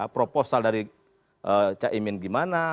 proposal dari cak imin gimana